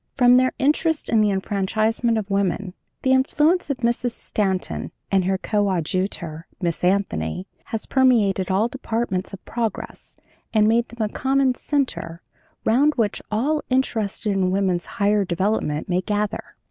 From their interest in the enfranchisement of women, the influence of Mrs. Stanton and her coadjutor, Miss Anthony, has permeated all departments of progress and made them a common center round which all interested in woman's higher development may gather.'